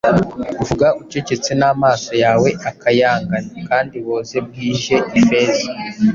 vuga uceceke n'amaso yawe akayangana, Kandi woze bwije ifeza.